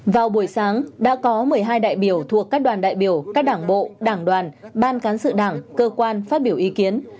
vào buổi sáng đã có một mươi hai đại biểu thuộc các đoàn đại biểu các đảng bộ đảng đoàn ban cán sự đảng cơ quan phát biểu ý kiến